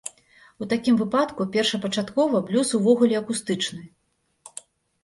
У такім выпадку першапачаткова, блюз увогуле акустычны!